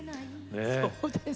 そうですか？